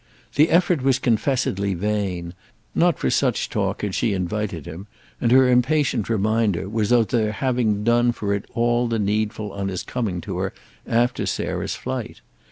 The effort was confessedly vain; not for such talk had she invited him; and her impatient reminder was of their having done for it all the needful on his coming to her after Sarah's flight.